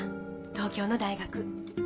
東京の大学。